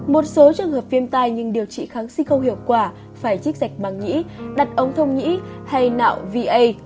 một số trường hợp viêm tay nhưng điều trị kháng sinh không hiệu quả phải chích sạch màng nhĩ đặt ống thông nhĩ hay nạo va